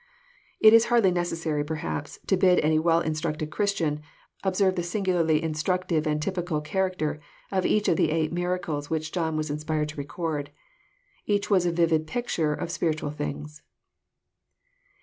It Is hardly necessary, perhaps, to bid any well instructed Christian observe the singularly Instructive and typical char acter of each of the eight miracles which John was inspired to record. Each was a vivid picture of spiritual things.